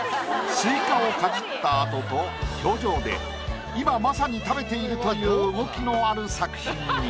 スイカをかじったあとと表情で今まさに食べているという動きのある作品に。